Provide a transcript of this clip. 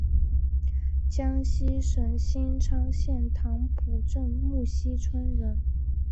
江西省新昌县棠浦镇沐溪村人。